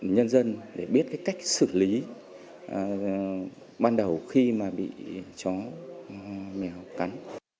nhân dân để biết cách xử lý ban đầu khi mà bị chó mèo cắn